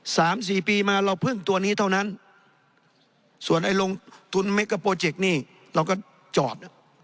สามสี่ปีมาเราพึ่งตัวนี้เท่านั้นส่วนไอ้ลงทุนเมกาโปรเจกต์นี่เราก็จอด